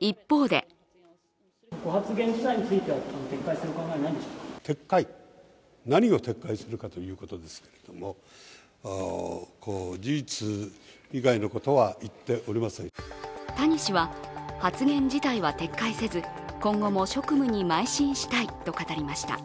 一方で谷氏は発言自体は撤回せず今後も職務にまい進したいと語りました。